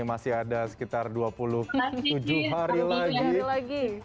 masih ada sekitar dua puluh tujuh hari lagi